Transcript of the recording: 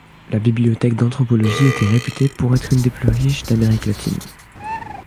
La bibliothèque d’anthropologie était réputée pour être une des plus riches d’Amérique latine.